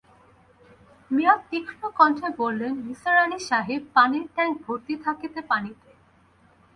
মিয়া তীক্ষ্ণ কণ্ঠে বললেন, নিসার আলি সাহেব, পানির ট্যাংক ভর্তি থাকে পানিতে।